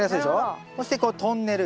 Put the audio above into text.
そしてこのトンネル。